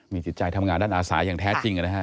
มีจิตใจทำงานด้านอาสาอย่างแท้จริงนะฮะ